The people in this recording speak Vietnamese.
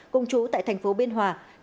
cùng chú tại tp biên hòa